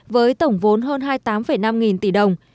với tổng vốn hơn hai mươi tám năm nghìn tỷ đồng